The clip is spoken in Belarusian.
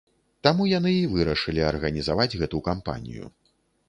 Таму яны і вырашылі арганізаваць гэту кампанію.